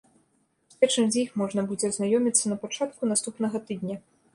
З першым з іх можна будзе азнаёміцца на пачатку наступнага тыдня.